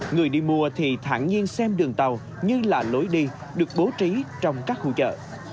người đi mua thì thẳng nhiên xem đường tàu như là lối đi được bố trí trong các khu chợ